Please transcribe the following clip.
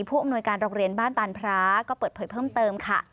ผู้อำนวยการโรงเรียนบ้านตานพระก็เปิดเผยเพิ่มเติมค่ะ